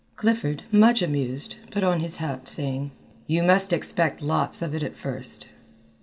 Clifford, much amused, put on his hat, saying, "You must expect lots of it at first."